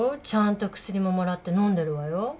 ちゃんと薬ももらってのんでるわよ。